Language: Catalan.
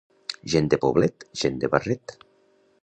Gent de poblet, gent de barret.